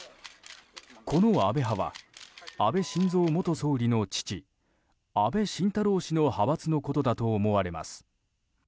この安倍派は安倍晋三元総理の父安倍晋太郎氏の派閥のことだと思われます。